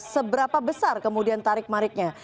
seberapa besar kemudian tarik mariknya